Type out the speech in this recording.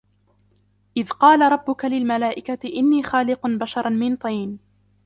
إذ قال ربك للملائكة إني خالق بشرا من طين